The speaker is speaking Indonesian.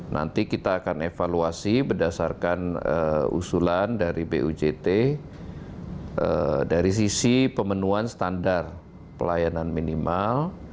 nanti kita akan evaluasi berdasarkan usulan dari bujt dari sisi pemenuhan standar pelayanan minimal